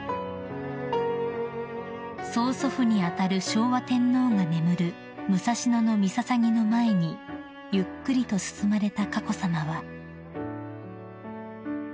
［曽祖父に当たる昭和天皇が眠る武蔵野陵の前にゆっくりと進まれた佳子さまは］